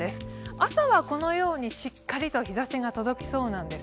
朝は、このようにしっかりと日差しが届きそうなんです。